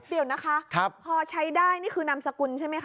เดี๋ยวนะคะพอใช้ได้นี่คือนามสกุลใช่ไหมคะ